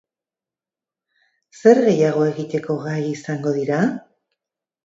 Zer gehiago egiteko gai izango dira?